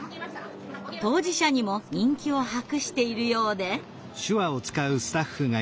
当事者にも人気を博しているようで。